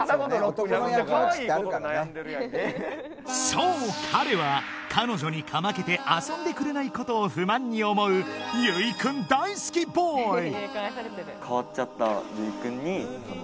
そう彼は彼女にかまけて遊んでくれないことを不満に思う由井くん大好きボーイ